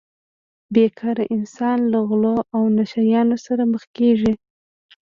بې کاره انسان له غلو او نشه یانو سره مخ کیږي